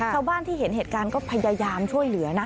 ชาวบ้านที่เห็นเหตุการณ์ก็พยายามช่วยเหลือนะ